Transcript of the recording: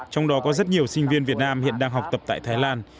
trong đó có rất nhiều sinh viên việt nam hiện đang học tập tại thái lan